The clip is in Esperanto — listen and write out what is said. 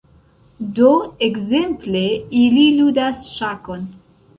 Do, ekzemple ili ludas ŝakon